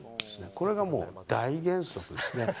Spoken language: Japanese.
これがもう大原則ですね。